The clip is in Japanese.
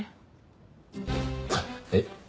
えっ？